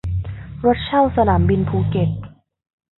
รถเช่าสนามบินภูเก็ต